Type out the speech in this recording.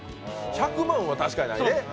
１００万は確かにないね。